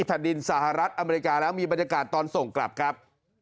แผ่นดินสหรัฐอเมริกาแล้วมีบรรยากาศตอนส่งกลับครับ